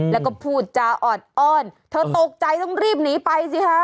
แล้วก็พูดจาออดอ้อนเธอตกใจต้องรีบหนีไปสิคะ